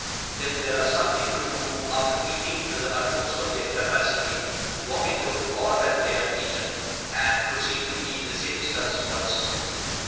Then there are some people who, after eating to the utmost of their capacity, vomit out all that they have eaten, and proceed to eat the same stuffs once more!